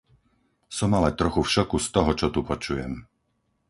Som ale trochu v šoku z toho, čo tu počujem.